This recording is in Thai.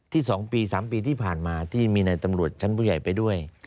๒ปี๓ปีที่ผ่านมาที่มีในตำรวจชั้นผู้ใหญ่ไปด้วย